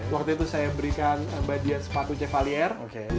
waktu itu saya berikan mbak dian sepatu chevalier